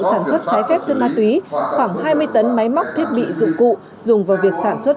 sản xuất trái phép chất ma túy khoảng hai mươi tấn máy móc thiết bị dụng cụ dùng vào việc sản xuất